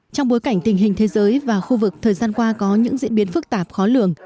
trong bối cảnh tình hình thế giới và khu vực thời gian qua có những diễn biến phức tạp khó lường